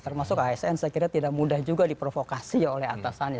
termasuk asn saya kira tidak mudah juga diprovokasi oleh atasannya